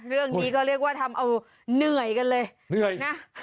เรื่องนี้ก็เรียกว่าเอาเหนื่อยกันเลย